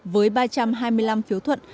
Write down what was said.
với ba trăm hai mươi năm phiếu thuận